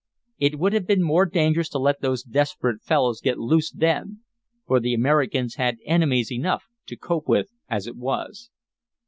It would have been dangerous to let those desperate fellows get loose then. For the Americans had enemies enough to cope with as it was.